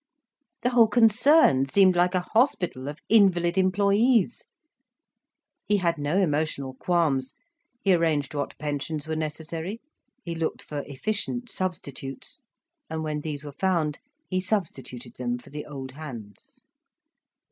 The whole concern seemed like a hospital of invalid employees. He had no emotional qualms. He arranged what pensions were necessary, he looked for efficient substitutes, and when these were found, he substituted them for the old hands.